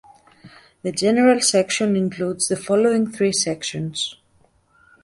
The general section includes the following three sections: